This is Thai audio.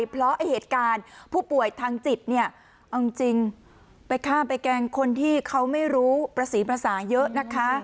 เพราะเหตุการณ์ผู้ป่วยทางจิตเนี่ยเอาจริงไปข้ามไปแกล้งคนที่เขาไม่รู้ประสีภาษาเยอะนะคะ